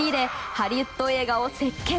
ハリウッド映画を席巻。